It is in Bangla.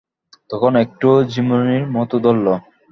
তখন একটু ঝিমুনির মতো ধরল।